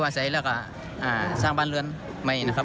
ขวาใช้แล้วก็สร้างบ้านลื่นใหม่นะครับ